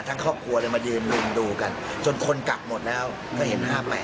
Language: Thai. ครอบครัวเลยมายืนลุมดูกันจนคนกลับหมดแล้วก็เห็น๕๘